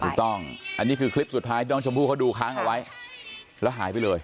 ถูกต้องอันนี้คือคลิปสุดท้ายน้องชมพู่เขาดูค้างเอาไว้แล้วหายไปเลย